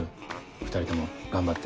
２人とも頑張って。